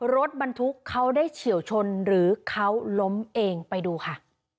รถบรรทุกเขาได้เฉียวชนหรือเขาล้มเองไปดูค่ะ